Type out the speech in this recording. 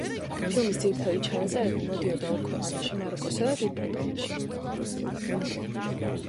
ფილმის ძირითადი ჩაწერები მიდიოდა ორ ქვეყანაში მაროკოსა და დიდ ბრიტანეთში.